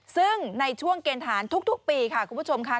ซึ่งในช่วงเกณฑ์ฐานทุกปีค่ะคุณผู้ชมค่ะ